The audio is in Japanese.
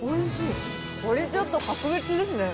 これちょっと格別ですね。